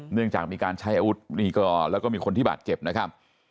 เนื่องจากมีการใช้อาวุธลีกอร์แล้วก็มีคนที่บาดเจ็บนะครับ